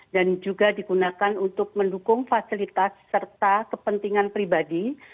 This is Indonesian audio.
dan juga digunakan untuk mendukung fasilitas serta kepentingan pribadi